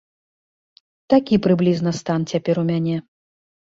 Такі прыблізна стан цяпер у мяне.